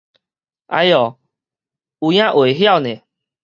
哎喲有影會曉呢